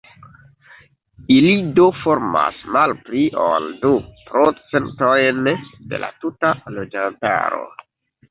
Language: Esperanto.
Ili do formas malpli ol du procentojn de la tuta loĝantaro.